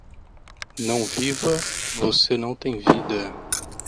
Não viva, você não tem vida